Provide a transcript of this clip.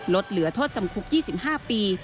ลดเหลือโทษจำคุก๒๕ปี